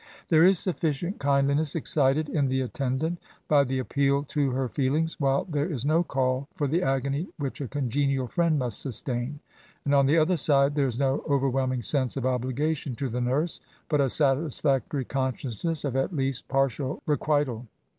There is sufficient kindliness excited in the attendant by the appeal to her feelings, while there is no call for the agony which a congenial friend must sustain ; and, on the other side, there is no overwhelming sense of obligation to the nurse, but a satisfactory consciousness of, at least, partial requital.